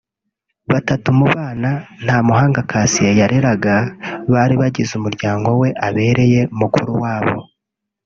Batatu mu bana Ntamuhanga Cassien yareraga bari bagize umuryango we ababereye mukuru wabo